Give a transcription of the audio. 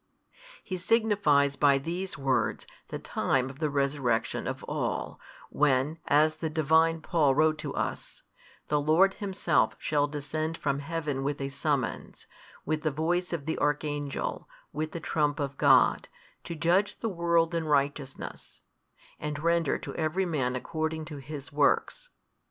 He signifies by these words the time of the resurrection of all, when, as the Divine Paul wrote to us, The Lord Himself shall descend from heaven with a summons, with the voice of the Archangel, with the trump of God, to judge the world in righteousness, and render to every man according to his works.